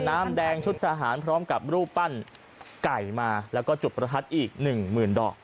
น้ำแดงชุดทหารพร้อมกับรูปปั้นไก่มาแล้วก็จุดประทัดอีกหนึ่งหมื่นดอก